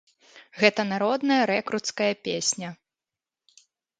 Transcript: Гэта народная рэкруцкая песня.